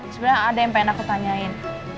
sebenarnya ada yang pengen aku tanyain